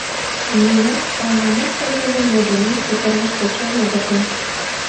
Нунат ала-мо шот дене мый денем кутыраш тӧчен огытыл.